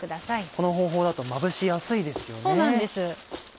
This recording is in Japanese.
この方法だとまぶしやすいですよね。